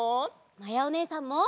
まやおねえさんも。